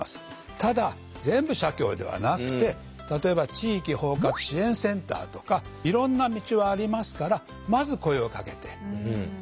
ただ全部社協ではなくて例えば地域包括支援センターとかいろんな道はありますからまず声をかけて頂きたいと。